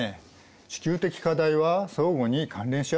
地球的課題は相互に関連し合ってます。